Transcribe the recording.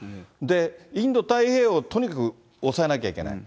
インド太平洋、とにかく押さえなきゃいけない。